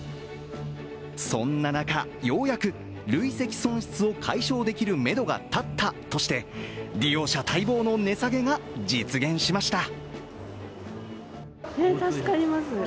そんな中、ようやく累積損失を解消できるめどが立ったとして、利用者待望の値下げが実現しました。